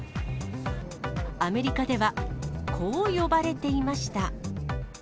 アメリカではこう呼ばれていました。